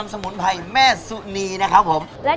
ซัมมกรนะคะข้าวยแม่ค่ะ